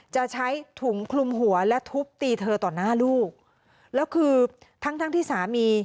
จะใช้ถุงคลุมหัวและทุบตีเธอต่อหน้าลูกแล้วคือทั้งทั้งที่สามี